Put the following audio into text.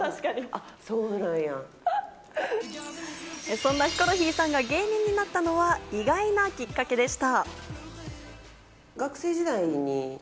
そんなヒコロヒーさんが芸人になったのは意外なきっかけでした。